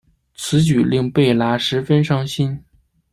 此举令贝拉十分伤心。